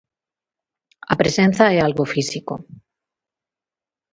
A presenza é algo físico.